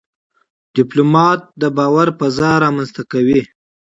ډيپلومات د باور فضا رامنځته کوي.